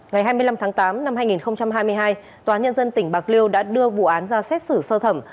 ngày hai mươi năm tháng tám năm hai nghìn hai mươi hai tòa nhân dân tỉnh bạc liêu đã đưa vụ án ra xét xử sơ thẩm